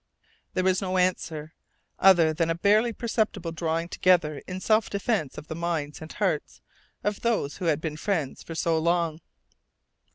There was no answer, other than a barely perceptible drawing together in self defence of the minds and hearts of those who had been friends for so long.